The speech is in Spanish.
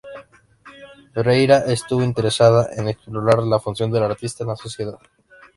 Pereira estuvo interesada en explorar la función del artista en la sociedad.